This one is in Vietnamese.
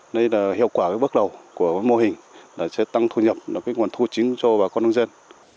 đây là hiệu quả bước đầu của mô hình là sẽ tăng thu nhập nguồn thu chính cho bà con nông dân